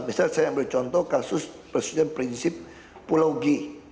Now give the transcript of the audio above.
misalnya saya ambil contoh kasus persediaan prinsip pulau g